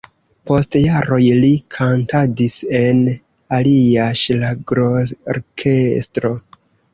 Post jaroj li kantadis en alia ŝlagrorkestro.